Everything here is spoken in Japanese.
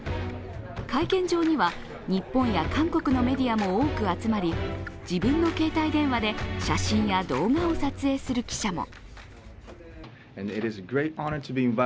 会見場には日本や韓国のメディアも多く集まり自分の携帯電話で写真や動画を撮影する記者も。